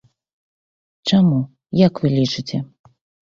Чаму, як вы лічыце?